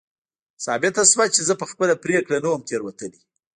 ثابته شوه چې زه په خپله پرېکړه نه وم تېروتلی.